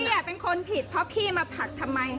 แล้วพี่มาถักทำไม